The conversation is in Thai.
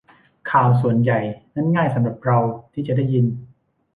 ข่าวส่วนใหญ่นั้นง่ายสำหรับเราที่จะได้ยิน